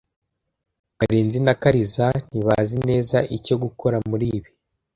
Karenzi na Kariza ntibazi neza icyo gukora muri ibi.